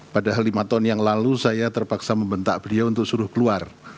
padahal lima tahun yang lalu saya terpaksa membentak beliau untuk suruh keluar